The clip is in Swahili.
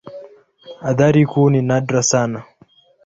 Athari kuu ni nadra sana.